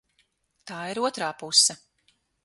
Tā ir otrā puse.